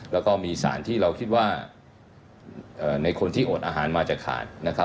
แล้วก็มีสารที่เราคิดว่าในคนที่โอดอาหารมาจะขาดนะครับ